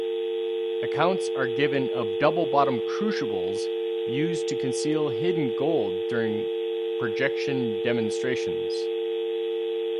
Accounts are given of double-bottomed crucibles used to conceal hidden gold during projection demonstrations.